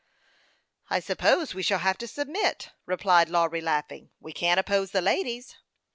" I suppose we shall have to submit," replied Lawry, laughing. " We can't oppose the ladies."